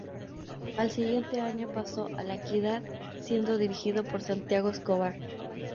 Al siguiente año pasó a La Equidad, siendo dirigido por Santiago Escobar.